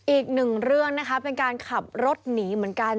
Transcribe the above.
อีกหนึ่งเรื่องนะคะเป็นการขับรถหนีเหมือนกัน